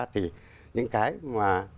thì những cái mà